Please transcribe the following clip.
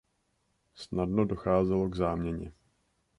Snadno docházelo k záměně.